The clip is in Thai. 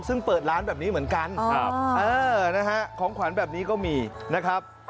ซึ่งเปิดร้านแบบนี้เหมือนกันนะฮะของขวัญแบบนี้ก็มีนะครับ